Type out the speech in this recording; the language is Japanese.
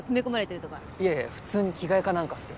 いやいや普通に着替えかなんかっすよ。